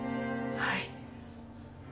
はい。